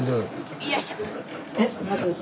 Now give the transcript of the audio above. よいしょ。